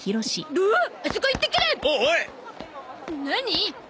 何？